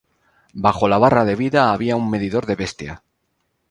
Bajo la barra de vida, había una medidor de bestia.